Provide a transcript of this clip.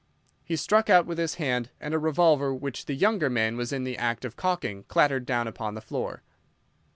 He struck out with his hand, and a revolver which the younger man was in the act of cocking clattered down upon the floor.